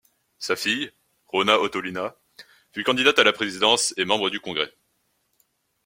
Sa fille, Rhona Ottolina, fut candidate à la présidence et membre du Congrès.